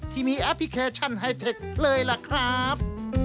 ที่มีแอปพลิเคชันไฮเทคเลยล่ะครับ